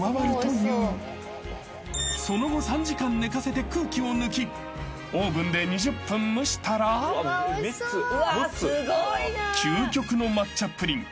［その後３時間寝かせて空気を抜きオーブンで２０分蒸したら究極の抹茶プリン